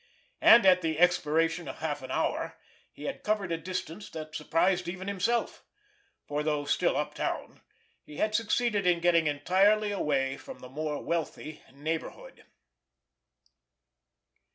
And at the expiration of half an hour he had covered a distance that surprised even himself, for, though still uptown, he had succeeded in getting entirely away from the more wealthy neighborhood.